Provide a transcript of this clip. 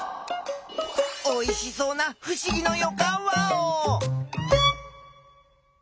おいしそうなふしぎのよかんワオ！